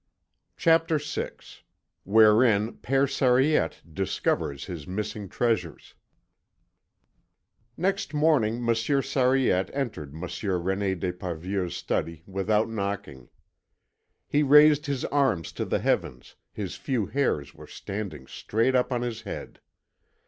CHAPTER VI WHEREIN PÈRE SARIETTE DISCOVERS HIS MISSING TREASURES Next morning Monsieur Sariette entered Monsieur René d'Esparvieu's study without knocking. He raised his arms to the heavens, his few hairs were standing straight up on his head.